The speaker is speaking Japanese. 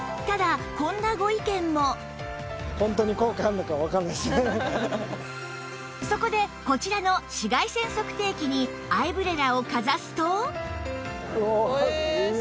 ただそこでこちらの紫外線測定器にアイブレラをかざすと